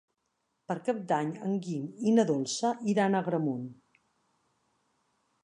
Per Cap d'Any en Guim i na Dolça iran a Agramunt.